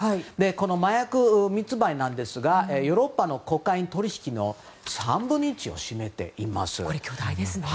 この麻薬密売なんですがヨーロッパのコカイン取引の３分の１を占めています。